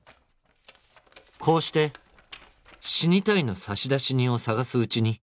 「こうして「死にたい」の差出人を探すうちに」